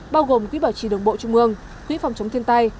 bao gồm quỹ bảo trì đồng bộ trung ương quỹ phòng chống thiên tai